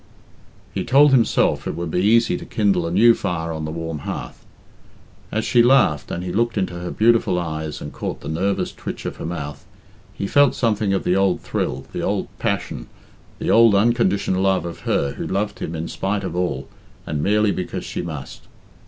He told himself it would be easy to kindle a new fire on the warm hearth. As she laughed and he looked into her beautiful eyes and caught the nervous twitch of her mouth, he felt something of the old thrill, the old passion, the old unconditioned love of her who loved him in spite of all, and merely because she must.